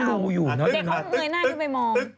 เด็กก็เอาอยู่เนาว